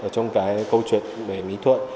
trong cái câu chuyện về mỹ thuật